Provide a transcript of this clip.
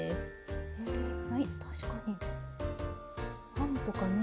ハムとかね